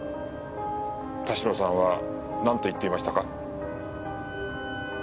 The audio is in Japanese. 田代さんはなんと言っていましたか？